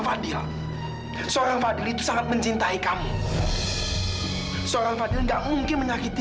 wajar dia melakukan hal ini